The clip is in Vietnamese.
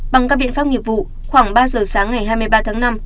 bằng các biện pháp nghiệp vụ khoảng ba giờ sáng ngày hai mươi ba tháng năm